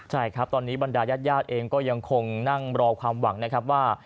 ใช่ครับตอนนี้บรรดายาดเองก็ยังคงนั่งรอความหวังนะครับว่า